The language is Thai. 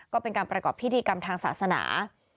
ก็เป็นการประกอบพิธีกรรมทางศาสนา